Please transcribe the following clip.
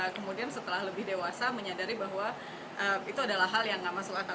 kemudian setelah lebih dewasa menyadari bahwa itu adalah hal yang tidak masuk akal